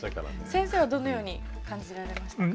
先生はどのように感じられましたか？